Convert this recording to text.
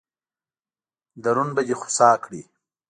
درون به دې خوسا کړي.